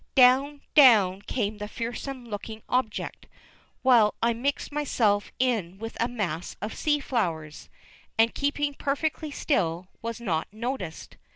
Down, down came the fearsome looking object, while I mixed myself in with a mass of sea flowers, and keeping perfectly still, was not noticed.